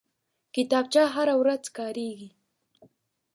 کتابچه هره ورځ کارېږي